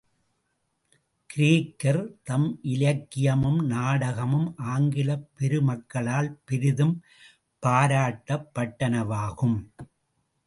கிரேக்கர் தம் இலக்கியமும் நாடகமும் ஆங்கிலப் பெருமக்களால் பெரிதும் பாராட்டப்பட்டனவாகும்.